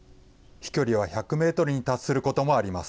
飛距離は１００メートルに達することもあります。